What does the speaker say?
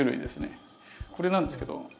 これなんですけど。